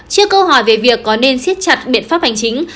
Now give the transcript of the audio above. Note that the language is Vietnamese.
trước câu hỏi về việc có nên siết chặt biện pháp hành chính